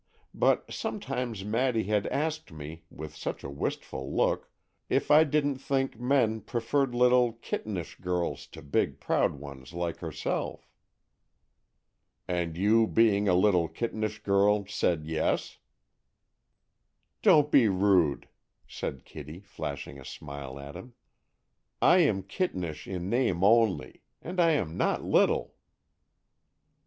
But sometimes Maddy has asked me, with such a wistful look, if I didn't think men preferred little, kittenish girls to big, proud ones like herself." "And you, being a little, kittenish girl, said yes?" "Don't be rude," said Kitty, flashing a smile at him. "I am kittenish in name only. And I am not little!"